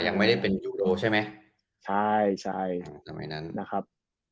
ยังไม่ได้เป็นยูโรใช่ไหมใช่ใช่ค่ะสมัยนั้นนะครับ